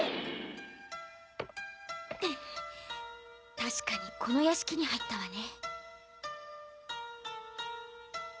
確かにこの屋敷に入ったわね・